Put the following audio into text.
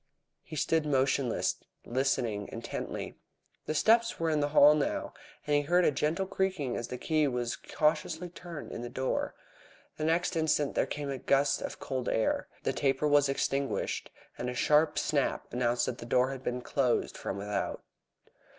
He stood motionless, listening intently. The steps were in the hall now, and he heard a gentle creaking as the key was cautiously turned in the door. The next instant there came a gust of cold air, the taper was extinguished, and a sharp snap announced that the door had been closed from without.